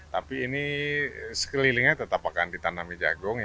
tapi ini sekelilingnya tetap akan ditanami jagung